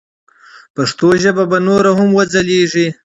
پښتو ژبه به نوره هم وځلیږي.